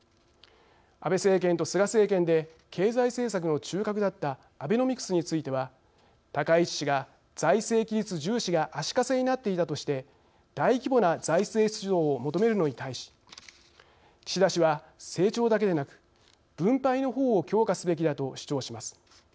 安倍政権と菅政権で経済政策の中核だったアベノミクスについては高市氏が財政規律重視が足かせになっていたとして大規模な財政出動を求めるのに対し岸田氏は、成長だけでなく分配の方を強化すべきだと主張します。